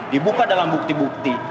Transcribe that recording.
dibuka dalam bukti bukti